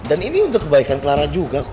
dan ini untuk kebaikan clara juga